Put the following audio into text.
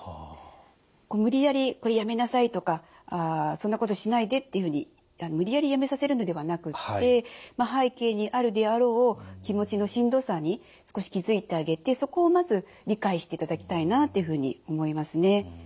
無理やり「これやめなさい」とか「そんなことしないで」っていうふうに無理やりやめさせるのではなくって背景にあるであろう気持ちのしんどさに少し気付いてあげてそこをまず理解していただきたいなというふうに思いますね。